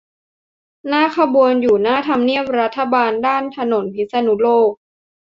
หน้าขบวนอยู่หน้าทำเนียบรัฐบาล ด้านถนนพิษณุโลก